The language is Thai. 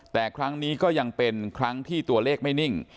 แต่ครั้งนี้ก็ยังเป็นครั้งที่ตัวเลขไม่นิ่ง